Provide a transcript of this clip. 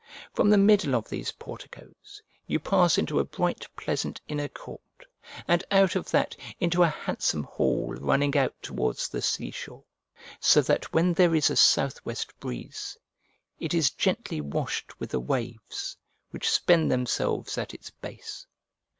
From the middle of these porticoes you pass into a bright pleasant inner court, and out of that into a handsome hall running out towards the sea shore; so that when there is a south west breeze, it is gently washed with the waves, which spend themselves at its base.